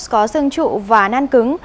có sương trụ và nan cứng